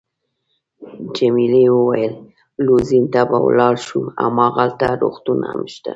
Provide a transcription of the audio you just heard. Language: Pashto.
جميلې وويل:: لوزین ته به ولاړ شو، هماغلته روغتون هم شته.